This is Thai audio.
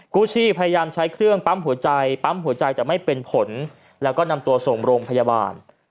กู้ชีพพยายามใช้เครื่องปั๊มหัวใจปั๊มหัวใจแต่ไม่เป็นผลแล้วก็นำตัวส่งโรงพยาบาล